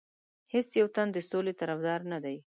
هیڅ یو تن د سولې طرفدار نه دی.